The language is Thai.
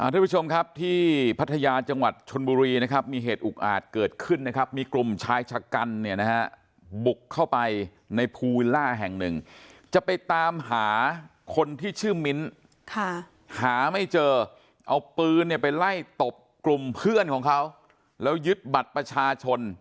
ทุกผู้ชมครับที่พัทยาจังหวัดชนบุรีนะครับมีเหตุอุกอาจเกิดขึ้นนะครับมีกลุ่มชายชะกันเนี่ยนะฮะบุกเข้าไปในภูวิลล่าแห่งหนึ่งจะไปตามหาคนที่ชื่อมิ้นหาไม่เจอเอาปืนเนี่ยไปไล่ตบกลุ่มเพื่อนของเขาแล้วยึดบัตรประชาชน